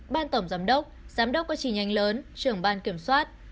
ban tổng giám đốc giám đốc có trì nhanh lớn trưởng ban kiểm soát